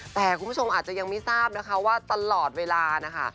แต่คุณผู้ชมอาจจะยังไม่ทราบนะคะว่าตลอดเวลานะคะ